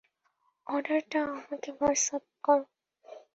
অর্ডারটা আমাকে হোয়াটসএ্যাপ করো।